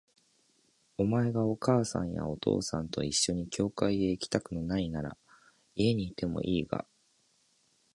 お前がお母さんやお父さんと一緒に教会へ行きたくないのなら、家にいてもいいが、